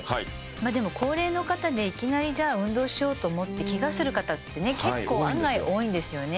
でも高齢の方でいきなりじゃあ運動しようと思ってけがする方ってね結構案外多いんですよね